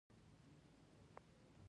تاریخ لیکوونکي دا له سیالانو سره تړلې ګڼي